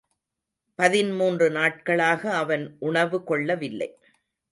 பதின்மூன்று நாட்களாக அவன் உணவுகொள்ளவில்லை.